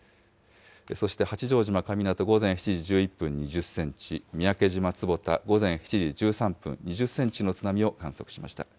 そして八丈島神湊、午前７時１１分、２０センチ、三宅島坪田、午前７時１３分、２０センチの津波を観測しました。